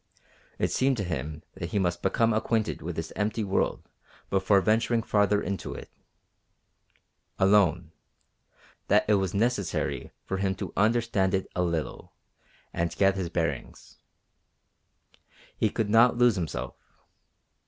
It seemed to him that he must become acquainted with this empty world before venturing farther into it alone; that it was necessary for him to understand it a little, and get his bearings. He could not lose himself.